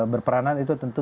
berperanan itu tentu